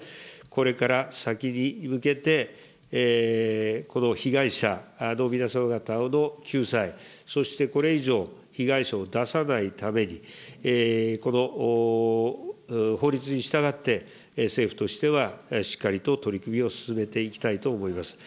これから先に向けて、この被害者の皆様方の救済、そしてこれ以上被害者を出さないために、この法律に従って、政府としてはしっかりと取り組みを進めていきたいと思います。